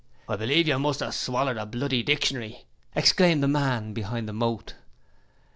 'I believe you must 'ave swollered a bloody dictionary,' exclaimed the man behind the moat.